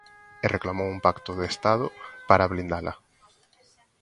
E reclamou un pacto de estado para blindala.